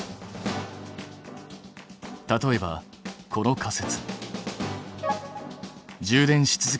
例えばこの仮説。